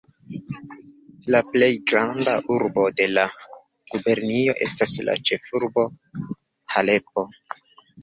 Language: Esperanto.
La plej granda urbo de la gubernio estas la ĉefurbo Halepo.